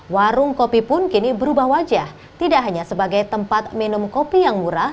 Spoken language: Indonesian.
warung kopi pun kini berubah wajah tidak hanya sebagai tempat minum kopi yang murah